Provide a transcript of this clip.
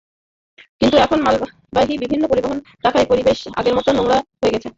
কিন্তু এখন মালবাহী বিভিন্ন পরিবহন রাখায় পরিবেশ আগের মতো নোংরা হয়ে গেছে।